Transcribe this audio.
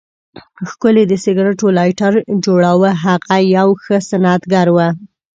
ښکلی د سګریټو لایټر جوړاوه، هغه یو ښه صنعتکار و.